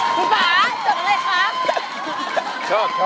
คุณป่าจัดอะไรครับ